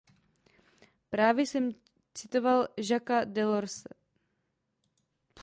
Právě jsem citoval Jacquesa Delorse.